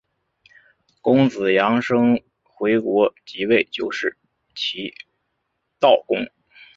公子阳生回国即位就是齐悼公。